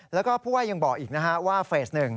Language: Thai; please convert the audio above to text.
แล้วก็ผู้ว่ายังบอกอีกนะฮะว่าเฟส๑